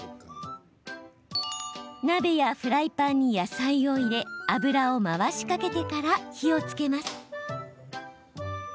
鍋やフライパンに野菜を入れ油を回しかけてから火をつけます。